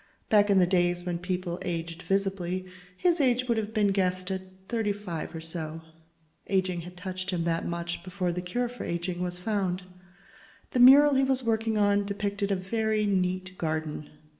Back in the days when people aged visibly, his age would have been guessed at thirty five or so. Aging had touched him that much before the cure for aging was found. The mural he was working on depicted a very neat garden.